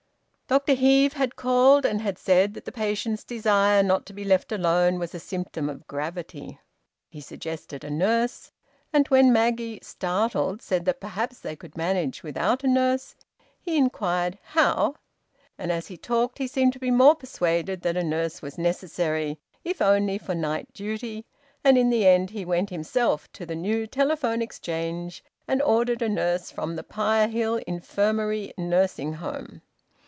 Dr Heve had called, and had said that the patient's desire not to be left alone was a symptom of gravity. He suggested a nurse, and when Maggie, startled, said that perhaps they could manage without a nurse, he inquired how. And as he talked he seemed to be more persuaded that a nurse was necessary, if only for night duty, and in the end he went himself to the new Telephone Exchange and ordered a nurse from the Pirehill Infirmary Nursing Home.